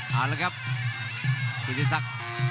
เอาละครับกิติศักดิ์